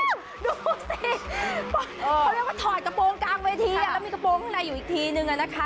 ดูสิเขาเรียกว่าถอดกระโปรงกลางเวทีแล้วมีกระโปรงข้างในอยู่อีกทีนึงอะนะคะ